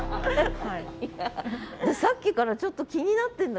でさっきからちょっと気になってんだけど